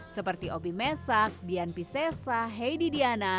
seperti obi mesak bian pisesa heidi diana